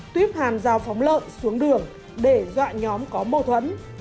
tuyếp hàng rào phóng lợn xuống đường để dọa nhóm có mâu thuẫn